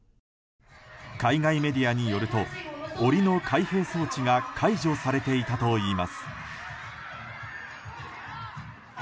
海外メディアによると檻の開閉装置が解除されていたといいます。